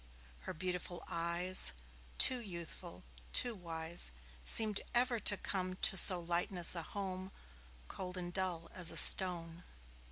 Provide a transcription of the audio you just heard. Her beautiful eyes, Too youthful, too wise, Seemed ever to come To so lightless a home, Cold and dull as a stone.